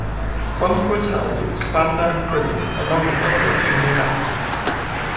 Funk was held at Spandau Prison along with other senior Nazis.